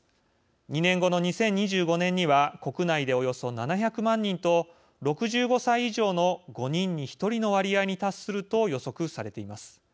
２年後の２０２５年には国内で、およそ７００万人と６５歳以上の５人に１人の割合に達すると予測されています。